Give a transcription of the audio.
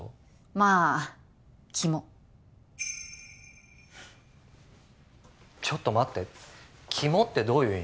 まあ気もちょっと待って「気も」ってどういう意味？